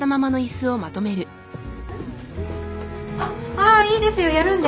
ああいいですよやるんで。